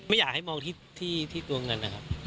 ไม่อยากให้มองที่ตัวเงินนะครับ